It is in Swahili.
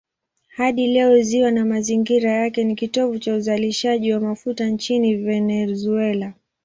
Hadi leo ziwa na mazingira yake ni kitovu cha uzalishaji wa mafuta nchini Venezuela.